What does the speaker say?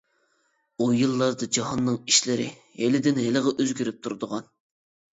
ئۇ يىللاردا جاھاننىڭ ئىشلىرى ھېلىدىن-ھېلىغا ئۆزگىرىپ تۇرىدىغان.